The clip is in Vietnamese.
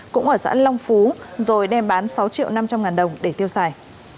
cũng ở xã long phú rồi đem bán sáu triệu năm trăm linh ngàn đồng để tiêu xài